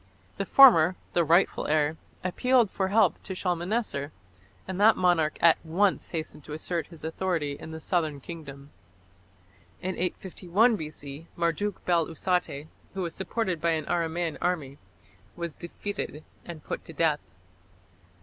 The former, the rightful heir, appealed for help to Shalmaneser, and that monarch at once hastened to assert his authority in the southern kingdom. In 851 B.C. Marduk bel usate, who was supported by an Aramæan army, was defeated and put to death.